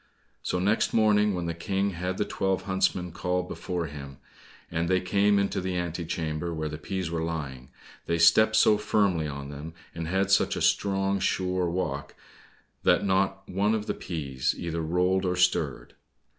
So next morning when the King had the twelve huntsmen called before him, and they came into the ante chamber where the peas were lying, they stepped so firmly on them, and had such a strong, sure walk, that not one of the peas either rolled or stirred.